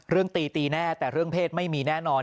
ตีตีแน่แต่เรื่องเพศไม่มีแน่นอน